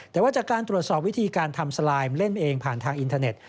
แต่ว่าจากการตรวจสอบวิธีการทำสไลมเล่นเองผ่านทางอินเทอร์เน็ต